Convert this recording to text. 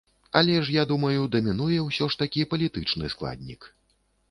Але ж, я думаю, дамінуе ўсё ж такі палітычны складнік.